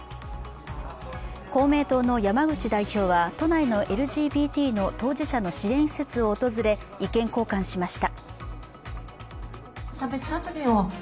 公明党の山口代表は都内のＬＧＢＴの当事者の支援施設を訪れ意見交換しました。